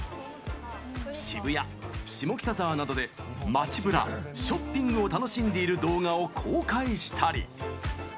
渋谷、下北沢などで街ブラショッピングを楽しんでいる動画を公開したり。